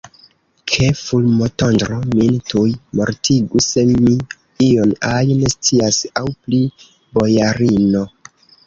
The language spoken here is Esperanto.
Ke fulmotondro min tuj mortigu, se mi ion ajn scias aŭ pri bojarino!